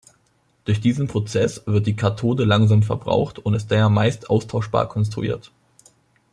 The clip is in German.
Durch diesen Prozess wird die Kathode langsam verbraucht und ist daher meist austauschbar konstruiert.